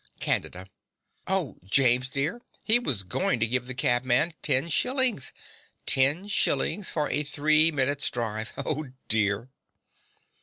CANDIDA. Oh, James, dear, he was going to give the cabman ten shillings ten shillings for a three minutes' drive oh, dear!